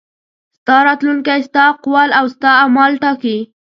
ستا راتلونکی ستا اقوال او ستا اعمال ټاکي.